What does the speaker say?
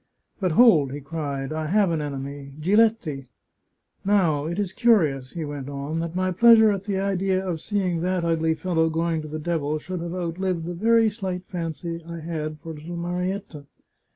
But, hold !" he cried ;" I have an enemy — Giletti ! Now, it is curious," he went on, " that my pleasure at the idea of seeing that ugly fellow going to the devil should have outlived the very slight fancy I had for little Marietta.